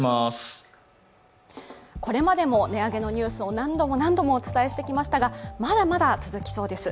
これまでも値上げのニュースを納戸も何度もお伝えしてきましたがまだまだ続きそうです。